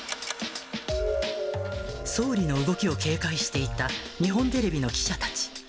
総理の動きを警戒していた日本テレビの記者たち。